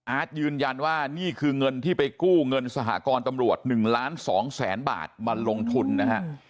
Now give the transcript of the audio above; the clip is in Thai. ยืนยันว่านี่คือเงินที่ไปกู้เงินสหกรตำรวจ๑ล้าน๒แสนบาทมาลงทุนนะฮะ